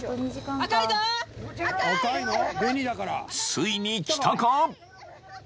［ついにきたか？］